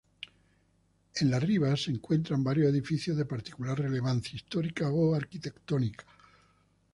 En la "riva" se encuentran varios edificios de particular relevancia histórica o arquitectónica.